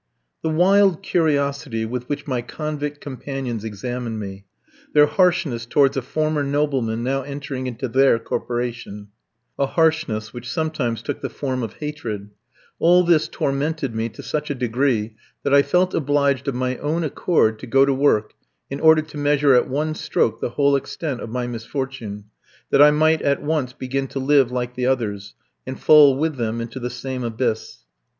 The wild curiosity with which my convict companions examined me, their harshness towards a former nobleman now entering into their corporation, a harshness which sometimes took the form of hatred all this tormented me to such a degree that I felt obliged of my own accord to go to work in order to measure at one stroke the whole extent of my misfortune, that I might at once begin to live like the others, and fall with them into the same abyss.